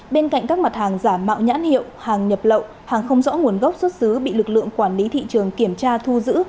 bên cạnh các mặt hàng giả mạo nhãn hiệu hàng nhập lậu hàng không rõ nguồn gốc xuất xứ bị lực lượng quản lý thị trường kiểm tra thu giữ